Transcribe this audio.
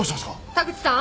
田口さん？